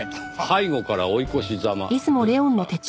背後から追い越しざまですか。